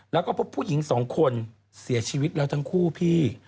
แล้วก็พบผู้หญิงสองคนเสียชีวิตแล้วทั้งคู่พี่